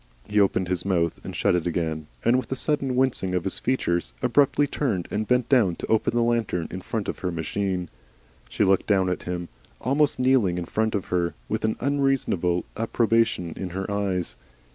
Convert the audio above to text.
He opened his mouth and shut it again, and, with a sudden wincing of his features, abruptly turned and bent down to open the lantern in front of her machine. She looked down at him, almost kneeling in front of her, with an unreasonable approbation in her eyes.